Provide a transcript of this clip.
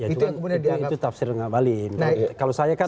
itu tafsir ngabalin